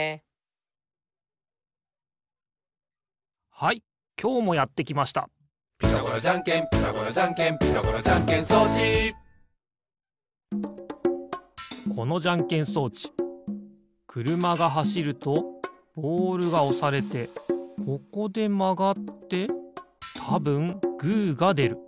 はいきょうもやってきました「ピタゴラじゃんけんピタゴラじゃんけん」「ピタゴラじゃんけん装置」このじゃんけん装置くるまがはしるとボールがおされてここでまがってたぶんグーがでる。